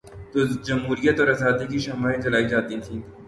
تو جمہوریت اور آزادی کی شمعیں جلائی جاتی تھیں۔